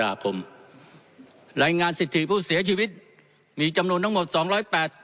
อาคมรายงานสิทธิผู้เสียชีวิตมีจำนวนทั้งหมดสองร้อยแปด